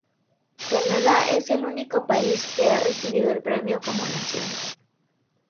Canadá es el único país que ha recibido el premio como nación.